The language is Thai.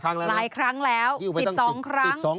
หลายครั้งแล้ว๑๒ครั้ง